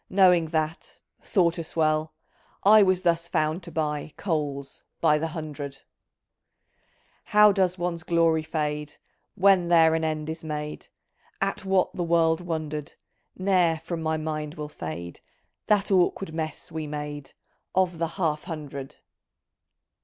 Knowing that (thought a " swell ") I was thus found to buy Coals by the " hundred !" How does one's glory fade, When there an end is made At what the world wonder'd ? Ne'er from my mind will fade That awkward mess we made, Of the "Half hundred!